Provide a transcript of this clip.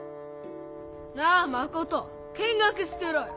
なあマコト見学してろよ。